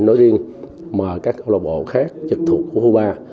nói riêng mà các câu lạc bộ khác trực thuộc của cuba